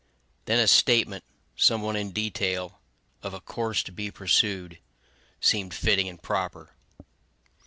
Then a statement, somewhat in detail, of a course to be pursued, seemed fitting and proper.